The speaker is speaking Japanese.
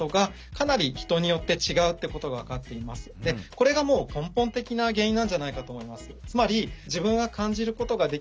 これがもう根本的な原因なんじゃないかと思います。